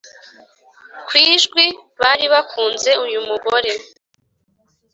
kwijwi baribakunze uyu mugore